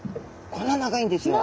こんな長いんですよ。